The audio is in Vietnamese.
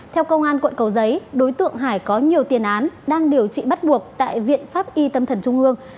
theo công an quận cầu giấy đối tượng hải có nhiều tiền án đang điều trị bắt buộc tại viện pháp y tâm thần trung ương